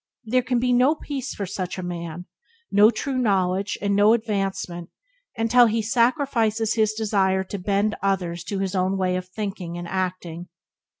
There can be no peace for such a man, no true knowledge, and no advancement until he sacrifices his desire to bend others to his own way of thinking and acting.